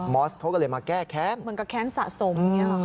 มอร์สเขาก็เลยมาแก้แค้นเหมือนกับแค้นสะสม